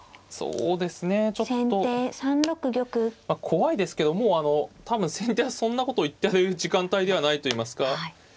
怖いですけどもう多分先手はそんなこと言ってる時間帯ではないといいますか。